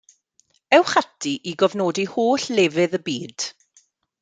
Ewch ati i gofnodi holl lefydd y byd.